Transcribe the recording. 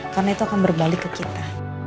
karena itu akan berbalik ke kita